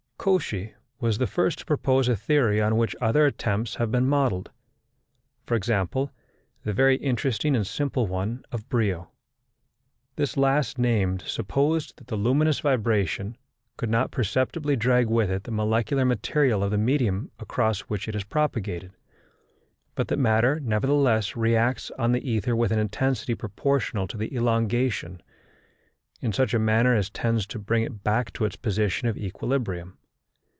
Cauchy was the first to propose a theory on which other attempts have been modelled; for example, the very interesting and simple one of Briot. This last named supposed that the luminous vibration could not perceptibly drag with it the molecular material of the medium across which it is propagated, but that matter, nevertheless, reacts on the ether with an intensity proportional to the elongation, in such a manner as tends to bring it back to its position of equilibrium.